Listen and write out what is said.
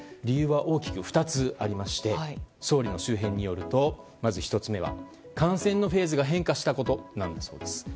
理由は大きく２つありまして総理の周辺によるとまず１つ目は感染のフェーズが変化したことだそうです。